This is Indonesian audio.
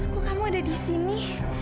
kok kamu ada disini